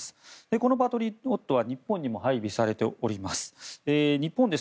このパトリオットは日本にも配備されております。